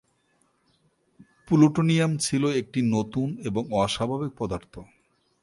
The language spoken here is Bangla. প্লুটোনিয়াম ছিল একটি নতুন এবং অস্বাভাবিক পদার্থ।